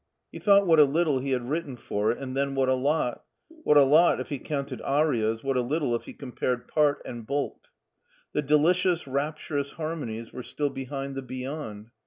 He thought what a little he had written for it, and then what a lot ; what a lot if he counted arias, what a little if he compared part and bulk. The delicious, rapturous harmonies were still behind the beyond.